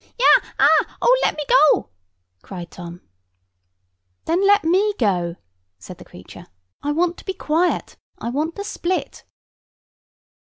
"Yah, ah! Oh, let me go!" cried Tom. "Then let me go," said the creature. "I want to be quiet. I want to split."